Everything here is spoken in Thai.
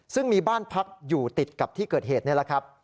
ซึ่งมีบ้านพักอยู่ติดกับที่เกิดเหตุนี่แหละครับ